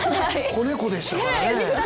子猫でしたからね。